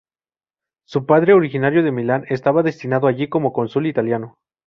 Su padre, originario de Milán, estaba destinado allí como cónsul italiano.